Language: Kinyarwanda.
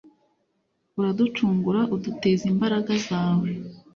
uraducungura, udutiza imbaraga zawe